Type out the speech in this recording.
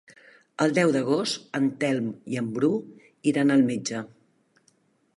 El deu d'agost en Telm i en Bru iran al metge.